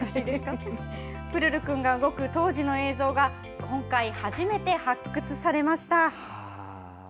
プルルくんが動く当時の映像が今回、初めて発掘されました。